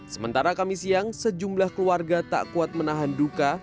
sementara kami siang sejumlah keluarga tak kuat menahan duka